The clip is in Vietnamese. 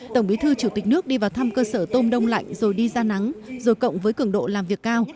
tổng bí thư chủ tịch nước đi vào thăm cơ sở tôm đông lạnh rồi đi ra nắng rồi cộng với cường độ làm việc cao